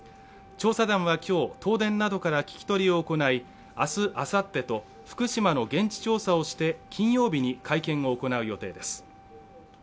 調査団は今日、東電などから聞き取りを行い明日、あさってと福島の現地調査をして金曜日に会見を行う予定です。